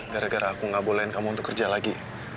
gara gara aku nggak bolehin kamu untuk kerja lagi